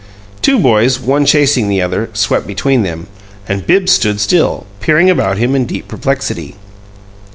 Two boys, one chasing the other, swept between them, and Bibbs stood still, peering about him in deep perplexity.